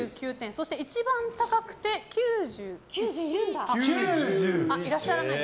そして一番高くて９１。